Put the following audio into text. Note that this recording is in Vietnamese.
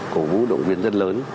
cổ vũ động viên rất lớn